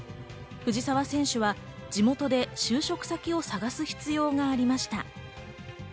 藤澤選手は地元で就職先を探す必要がありました。